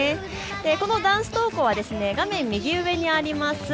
このダンス投稿は画面右上にあります